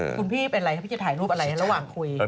คุณพี่เป็นอะไรครับพี่จะถ่ายรูปอะไรระหว่างคุย